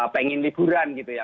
pengen liburan gitu ya